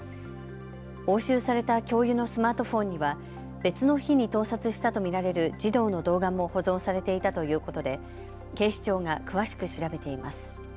押収された教諭のスマートフォンには別の日に盗撮したと見られる児童の動画も保存されていたということで警視庁が詳しく調べています。